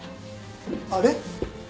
「あれ」？